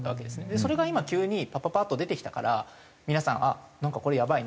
それが今急にパパパッと出てきたから皆さんあっなんかこれやばいねとなってるけれども。